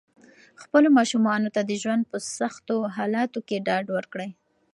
خپلو ماشومانو ته د ژوند په سختو حالاتو کې ډاډ ورکړئ.